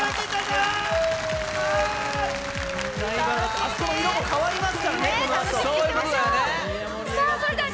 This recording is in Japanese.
あそこの色も変わりますからね。